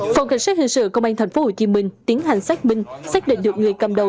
phòng cảnh sát hình sự công an tp hcm tiến hành xác minh xác định được người cầm đầu